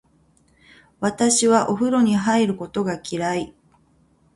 私はお風呂に入ることが嫌い。